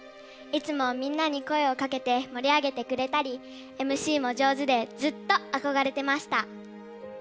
いつもみんなに声をかけてもりあげてくれたりＭＣも上手でずっとあこがれてました。